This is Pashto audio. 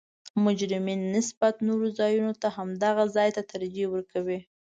مجرمین نسبت نورو ځایونو ته همدغه ځا ته ترجیح ورکوي